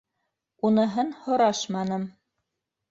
— Уныһын һорашманым.